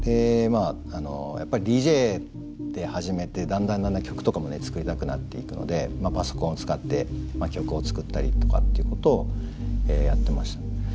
やっぱりＤＪで始めてだんだんだんだん曲とかも作りたくなっていくのでパソコンを使って曲を作ったりとかっていうことをやってました。